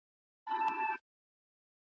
په زندانونو کي باید شرایط سم وي.